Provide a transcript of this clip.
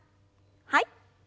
はい。